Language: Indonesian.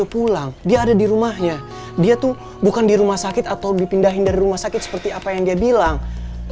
aku gak bisa lihat kamu dianggap pengkhianat